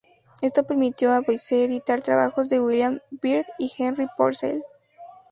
Esto permitió a Boyce editar trabajos de William Byrd y Henry Purcell.